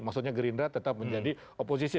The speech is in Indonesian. maksudnya gerindra tetap menjadi oposisi